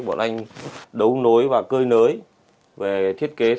bọn anh đấu nối và cơi nới về thiết kế